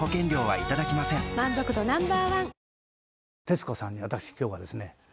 徹子さんに私今日はですね